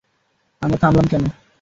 আমরা থামলাম কেন?